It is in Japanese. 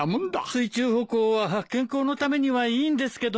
水中歩行は健康のためにはいいんですけどねえ。